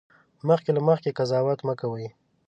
مخکې له مخکې قضاوت مه کوئ